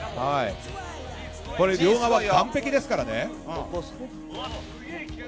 両側、岸壁ですからね。